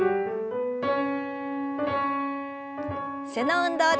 背の運動です。